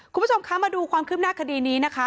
คุณผู้ชมคะมาดูความคืบหน้าคดีนี้นะคะ